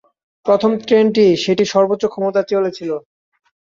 প্রথম ট্রেনটি সেটির সর্বোচ্চ ক্ষমতায় চলেছিল।